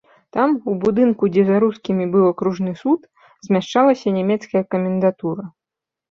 Там, у будынку, дзе за рускімі быў акружны суд, змяшчалася нямецкая камендатура.